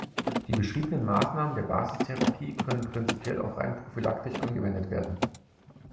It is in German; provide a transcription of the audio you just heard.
Die beschriebenen Maßnahmen der Basistherapie können prinzipiell auch rein prophylaktisch angewendet werden.